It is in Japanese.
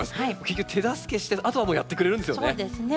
結局手助けしてあとはもうやってくれるんですよね。